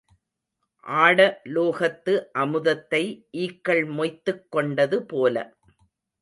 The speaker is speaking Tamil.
ஆட லோகத்து அமுதத்தை ஈக்கள் மொய்த்துக் கொண்டது போல.